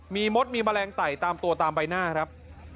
มีมดมีแมลงไต่ตามตัวตามใบหน้าครับ